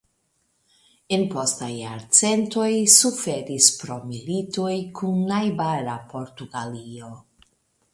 En postaj jarcentoj suferis pro militoj kun najbara Portugalio.